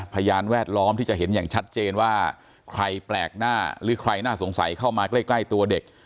พยานแวดล้อมที่จะเห็นอย่างชัดเจนว่าใครแปลกหน้าหรือใครน่าสงสัยเข้ามาใกล้ตัวเด็ก